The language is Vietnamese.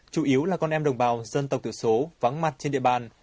chủ yếu là con em đồng bào dân tộc thiểu số vắng mặt trên địa bàn